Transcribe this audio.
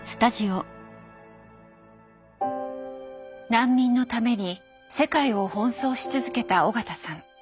難民のために世界を奔走し続けた緒方さん。